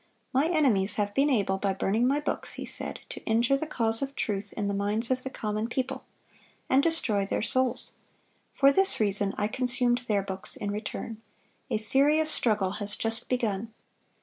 "My enemies have been able, by burning my books," he said, "to injure the cause of truth in the minds of the common people, and destroy their souls; for this reason I consumed their books in return. A serious struggle has just begun.